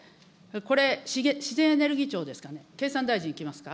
これ、自然エネルギー庁ですかね、経産大臣いきますか。